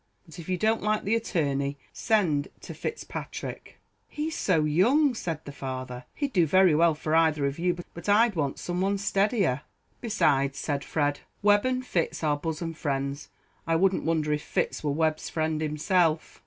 But if you don't like the attorney, send to Fitzpatrick." "He's so young," said the father; "he'd do very well for either of you; but I'd want some one steadier." "Besides," said Fred, "Webb and Fitz are bosom friends. I wouldn't wonder if Fitz were Webb's friend himself."